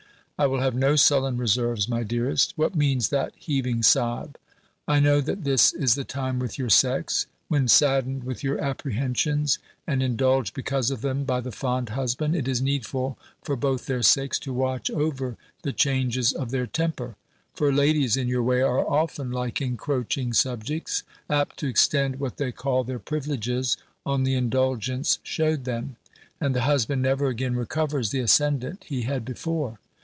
I will have no sullen reserves, my dearest. What means that heaving sob? I know that this is the time with your sex, when, saddened with your apprehensions, and indulged because of them, by the fond husband, it is needful, for both their sakes, to watch over the changes of their temper. For ladies in your way are often like encroaching subjects; apt to extend what they call their privileges, on the indulgence shewed them; and the husband never again recovers the ascendant he had before."